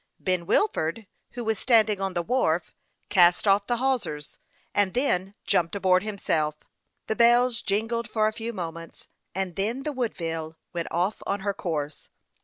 Ben Wilford, who was standing on the wharf, cast off the hawsers, and then jumped aboard himself. The bells jingled for a few moments, and then the Woodville went off on her course.